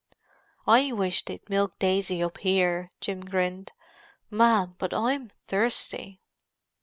"I wish they'd milk Daisy up here," Jim grinned. "Man, but I'm thirsty!"